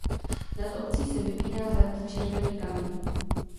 Nad obcí se vypíná hrad Červený Kameň.